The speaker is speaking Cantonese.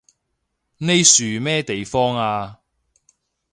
呢樹咩地方啊？